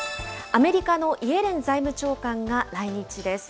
アメリカのイエレン財務長官が来日です。